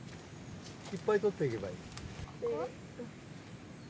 ・いっぱいとっていけばいい。